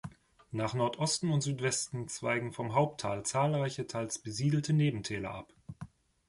Nach Nordosten und Südwesten zweigen vom Haupttal zahlreiche, teils besiedelte Nebentäler ab.